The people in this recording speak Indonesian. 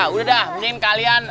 udah dah mendingan kalian